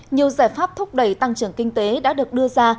nhiều giải pháp thúc đẩy tăng trưởng kinh tế đã được đưa ra